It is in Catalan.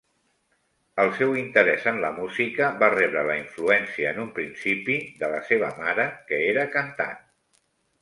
El seu interès en la música va rebre la influència en un principi de la seva mare, que era cantant.